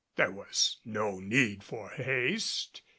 There was no need for haste.